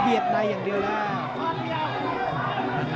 เนี่ยหน่อยได้อย่างเดียวนะ